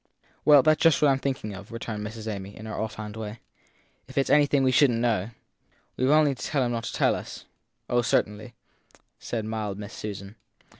Well, that s just what I m thinking of, returned Miss Amy in her offhand way. If it s anything we shouldn t know We ve only to tell him not to tell us? Oh, certainly, said mild Miss Susan.